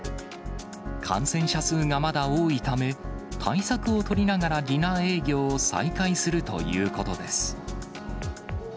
感染者数がまだ多いため、対策を取りながら、ディナー営業を再開するということです。